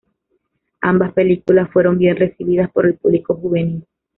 Ambas películas fueron bien recibidas por el público juvenil.